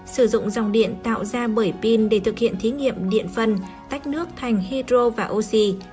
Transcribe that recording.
sử dụng dòng điện tạo ra bởi pin để thực hiện thí nghiệm điện phân tách nước thành hydro và oxy